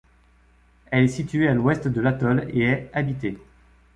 Elle est située à l'ouest de l'atoll et est habitée.